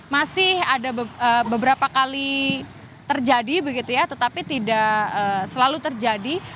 masih ada beberapa kali terjadi begitu ya tetapi tidak selalu terjadi